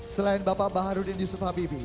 selain bapak b harudin yusuf habibie